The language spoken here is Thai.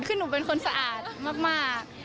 คือหนูเป็นคนสะอาดมาก